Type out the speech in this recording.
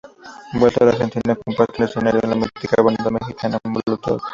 Vuelta a la Argentina, comparten escenario con la mítica banda mexicana Molotov.